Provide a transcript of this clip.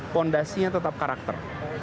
pondasinya tetap karakter